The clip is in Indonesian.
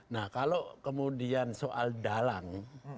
nah kalau kemudian soal dalang